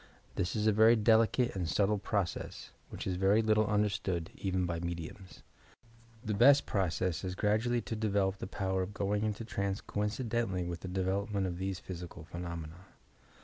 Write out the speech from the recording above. This is a very delicate and subtle process, which is very little understood, even by mediums. The best process 332 ■ TOUR PSYCHIC POWERS u gradually to develop the power of going into trsnce eoincideutally with the development of these physical phenomena.